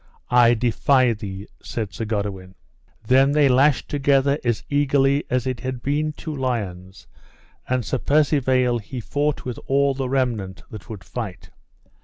I defy thee, said Sir Goodewin. Then they lashed together as eagerly as it had been two lions, and Sir Percivale he fought with all the remnant that would fight.